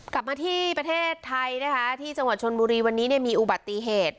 กลับมาที่ประเทศไทยนะคะที่จังหวัดชนบุรีวันนี้มีอุบัติเหตุ